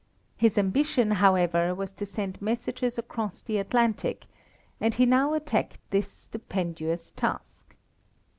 His ambition, however, was to send messages across the Atlantic, and he now attacked this stupendous task.